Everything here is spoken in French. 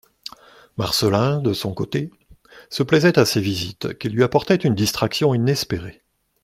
Marcelin, de son côté, se plaisait à ces visites, qui lui apportaient une distraction inespérée.